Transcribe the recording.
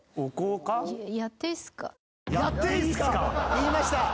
言いました。